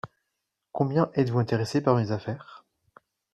Combien êtes-vous intéressé par mes affaires ?